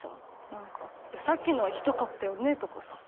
なんか、さっきのはひどかったよね、とかさ。